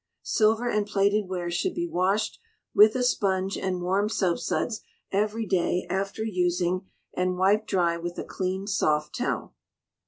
Silver and Plated Ware should be washed with a sponge and warm soapsuds every day after using, and wiped dry with a clean soft towel.